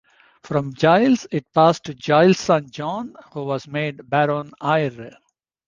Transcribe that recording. From Giles it passed to Giles' son John, who was made Baron Eyre.